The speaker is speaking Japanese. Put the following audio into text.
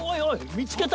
見つけた！